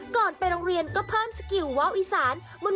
ไปโรงเรียนก็เพิ่มสกิลว้าวอีสาน